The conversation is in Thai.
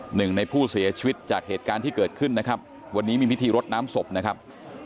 หนึ่งในผู้เสียชีวิตจากเหตุการณ์ที่เกิดขึ้นนะครับวันนี้มีพิธีรดน้ำศพนะครับ